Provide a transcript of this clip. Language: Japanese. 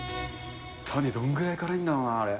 種、どんぐらい辛いんだろうな、あれ。